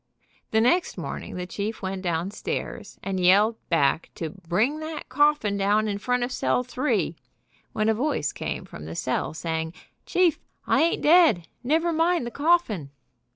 The next morning the chief went downstairs and yelled back to "bring that coffin down in front of cell three," when a voice came from the cell saying: "Chief, I ain't dead. Never mind the coffin."